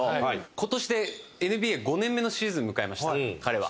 今年でＮＢＡ５年目のシーズン迎えました、彼は。